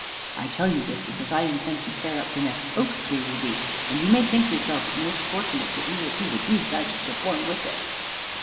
I tell you this because I intend to tear up the next oak tree we meet, and you may think yourself fortunate that you will see the deeds I shall perform with it."